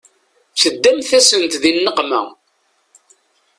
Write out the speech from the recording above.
Teddamt-asen di nneqma.